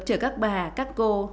chở các bà các cô